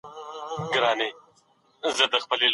افغانان ډېر خوندور خواړه لري.